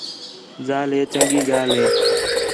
ذال ہے چنڳی ڳالھ ہے